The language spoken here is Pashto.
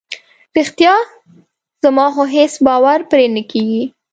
رښتیا؟ زما خو هیڅ باور پرې نه کیږي.